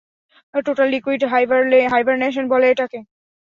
Total liquid hibernation বলে এটাকে।